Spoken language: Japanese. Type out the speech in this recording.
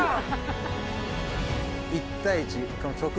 １対１。